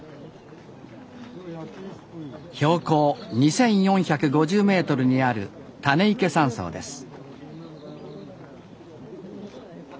標高２，４５０ｍにある種池山荘です